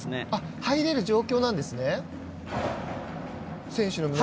入れる状況なんですね。